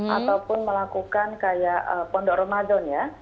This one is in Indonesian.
ataupun melakukan kayak pondok ramadan ya